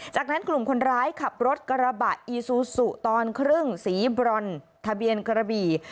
จากนั้นกลุ่มคนร้ายขับรถกระบะอีซูซูตอนครึ่งสีบรอนทะเบียนกระบี่